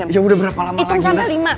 ya udah berapa lama lagi